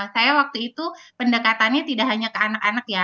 saya waktu itu pendekatannya tidak hanya ke anak anak ya